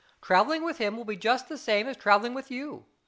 Travelling with him will be just the same as travelling with you.